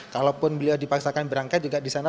kalaupun beliau dipaksakan berangkat juga di sana